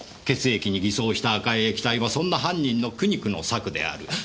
血液に偽装した赤い液体もそんな犯人の苦肉の策である。